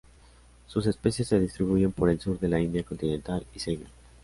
Sus especies se distribuyen por el sur de la India continental y Ceilán.